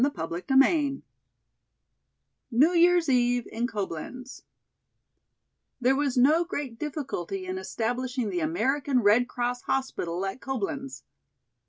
CHAPTER XII New Year's Eve in Coblenz THERE was no great difficulty in establishing the American Red Cross hospital at Coblenz. Dr.